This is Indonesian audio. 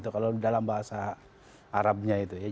kalau dalam bahasa arabnya itu ya